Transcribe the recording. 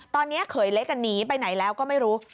ตอนนี้เขยเล็กหนีไปไหนแล้วก็ไม่รู้